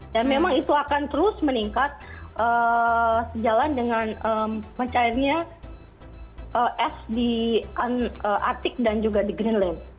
dan memang itu akan terus meningkat sejalan dengan pencairnya es di atik dan juga di greenland